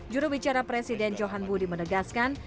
jurubicara presiden johan budi menegaskan